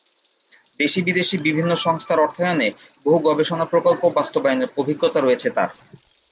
দেশী-বিদেশী বিভিন্ন সংস্থার অর্থায়নে বহু গবেষণা প্রকল্প বাস্তবায়নের অভিজ্ঞতা রয়েছে তার।